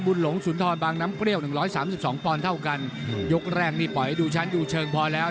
บุลหลงสุนทรบางน้ำเปรี้ยว๑๓๒ปอนด์เท่ากันยกแรกนี้ปล่อยให้ดูชั้นอยู่เชิงพอแล้ว